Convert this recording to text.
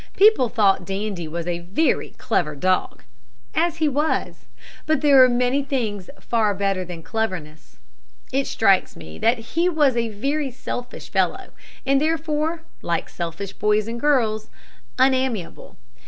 People thought Dandie a very clever dog as he was but there are many things far better than cleverness. It strikes me that he was a very selfish fellow, and therefore, like selfish boys and girls, unamiable.